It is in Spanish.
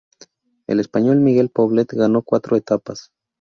El español Miguel Poblet ganó cuatro etapas.